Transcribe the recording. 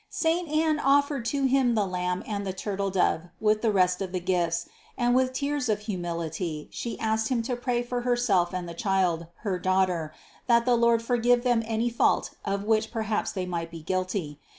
347. Saint Anne offered to him the lamb and the tur tle dove with the rest of the gifts, and with tears of humility she asked him to pray for herself and the Child, her Daughter, that the Lord forgive them any fault of which perhaps they might be guilty.